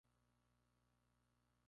Universal Electronics Inc.